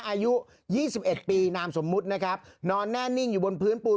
อายุยี่สิบเอ็ดปีนามสมมุตินะครับนอนแน่นิ่งอยู่บนพื้นปูน